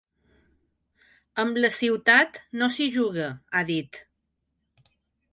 Amb la ciutat no s’hi juga, ha dit.